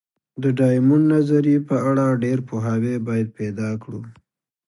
د ډایمونډ نظریې په اړه ډېر پوهاوی باید پیدا کړو.